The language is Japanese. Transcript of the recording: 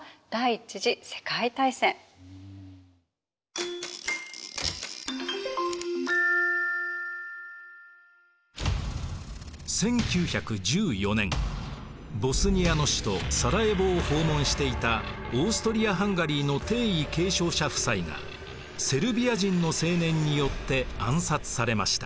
１９１４年ボスニアの首都サライェヴォを訪問していたオーストリア・ハンガリーの帝位継承者夫妻がセルビア人の青年によって暗殺されました。